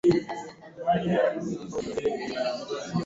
Chris hakufika mapema